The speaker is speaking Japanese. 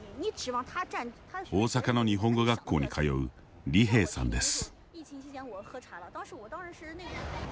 大阪の日本語学校に通う李萍さんです。